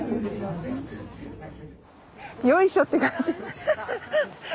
よいしょって感じ。